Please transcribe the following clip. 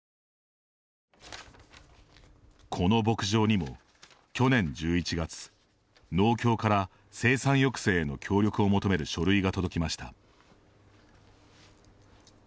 この牧場にも、去年１１月農協から生産抑制への協力を求める書類が届きました。